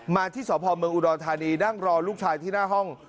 ที่สพเมืองอุดรธานีนั่งรอลูกชายที่หน้าห้อง